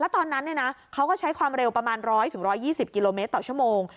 แล้วตอนนั้นเนี่ยนะเขาก็ใช้ความเร็วประมาณร้อยถึงร้อยยี่สิบกิโลเมตรต่อชั่วโมง